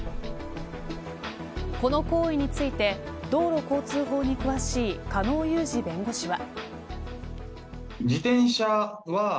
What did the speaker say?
この行為について道路交通法に詳しい狩野祐二弁護士は。